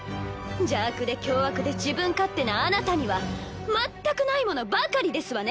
邪悪で凶悪で自分勝手なあなたには全くないものばかりですわね。